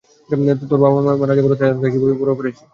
তোর বাবা মারা যাবার পর, তোদের চারজনকে একই ভাবে বড় করেছি।